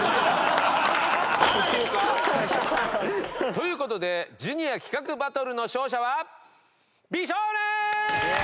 という事でジュニア企画バトルの勝者は美少年！